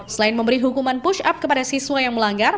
selain memberi hukuman push up kepada siswa yang melanggar